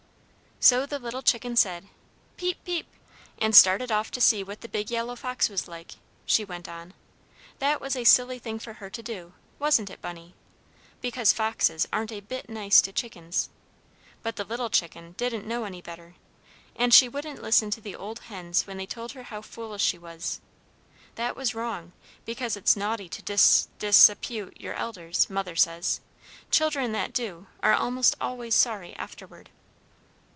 "So the little chicken said, 'Peep! Peep!' and started off to see what the big yellow fox was like," she went on. "That was a silly thing for her to do, wasn't it, Bunny? because foxes aren't a bit nice to chickens. But the little chicken didn't know any better, and she wouldn't listen to the old hens when they told her how foolish she was. That was wrong, because it's naughty to dis dis apute your elders, mother says; children that do are almost always sorry afterward.